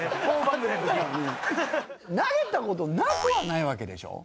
「投げた事なくはないわけでしょ？」